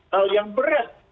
hal yang berat